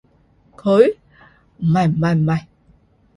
佢？唔係唔係唔係